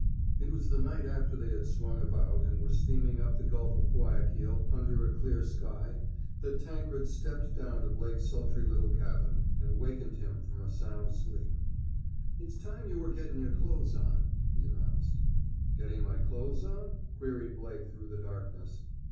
It was the night after they had swung about and were steaming up the Gulf of Guayaquil under a clear sky that Tankred stepped down to Blake's sultry little cabin and wakened him from a sound sleep. "It's time you were gettin' your clothes on," he announced. "Getting my clothes on?" queried Blake through the darkness.